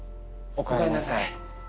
おかえりなさい。